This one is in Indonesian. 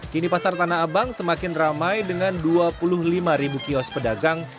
kini pasar tanah abang semakin ramai dengan dua puluh lima kios pedagang